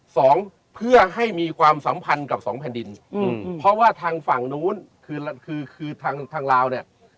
สองเพื่อให้มีความสัมพันธ์กับสองแผ่นดินอืมเพราะว่าทางฝั่งนู้นคือคือทางทางลาวเนี่ย